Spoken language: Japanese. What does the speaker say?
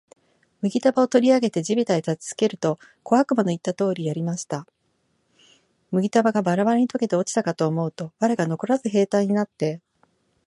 麦束を取り上げて地べたへ叩きつけると、小悪魔の言った通りやりました。麦束がバラバラに解けて落ちたかと思うと、藁がのこらず兵隊になって、